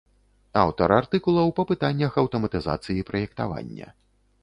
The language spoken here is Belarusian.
Аўтар артыкулаў па пытаннях аўтаматызацыі праектавання.